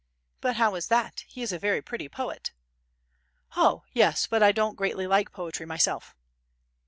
"But how is that? He is a very pretty poet." "Oh yes, but I don't greatly like poetry myself."